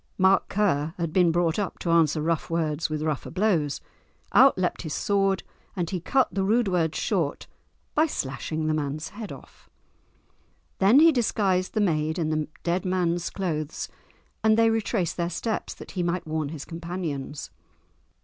Mark Ker had been brought up to answer rough words with rougher blows; out leapt his sword, and he cut the rude words short by slashing the man's head off. Then he disguised the maid in the dead man's clothes, and they retraced their steps that he might warn his companions.